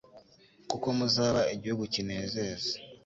kuko muzaba igihugu kinezeza